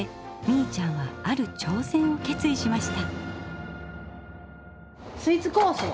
いちゃんはある挑戦を決意しました。